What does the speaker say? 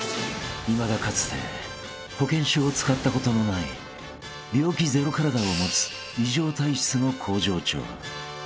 ［いまだかつて保険証を使ったことのない病気ゼロ体を持つ異常体質の向上長］